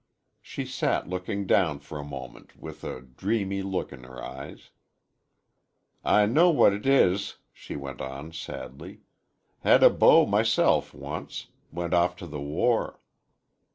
She sat looking down for a moment with a dreamy look in her eyes. "I know what 'tis," she went on, sadly. "Had a beau myself once. Went off t' the war."